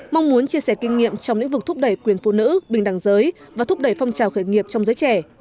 mong muốn chia sẻ kinh nghiệm trong lĩnh vực thúc đẩy quyền phụ nữ bình đẳng giới và thúc đẩy phong trào khởi nghiệp trong giới trẻ